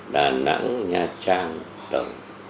đà nẵng nha trang đồng